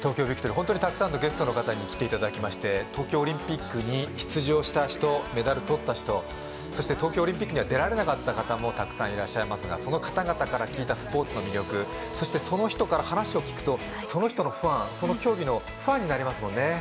ホントにたくさんのゲストの方に来ていただきまして東京オリンピックに出場した人メダル取った人そして東京オリンピックには出られなかった方もたくさんいらっしゃいますがその方々から聞いたスポーツの魅力そしてその人から話を聞くとその人のファンその競技のファンになりますもんね